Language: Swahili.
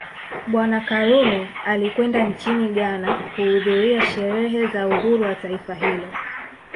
Bwana Karume alikwenda nchini Ghana kuhudhuria sherehe za uhuru wa taifa hilo